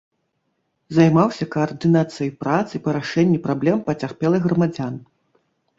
Займаўся каардынацыяй працы па рашэнні праблем пацярпелых грамадзян.